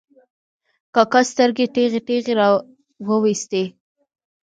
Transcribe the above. کاکا سترګې ټېغې ټېغې را وایستې.